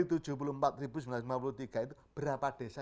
itu berapa desa